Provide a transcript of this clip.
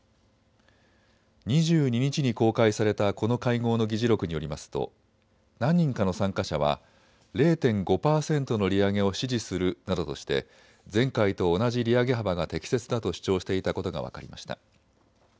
２２日に公開されたこの会合の議事録によりますと何人かの参加者は０．５％の利上げを支持するなどとして前回と同じ利上げ幅が適切だと主張していたことが分かりました。